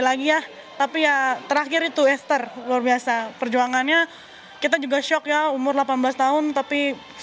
lagi ya tapi ya terakhir itu esther luar biasa perjuangannya kita juga shock ya umur delapan belas tahun tapi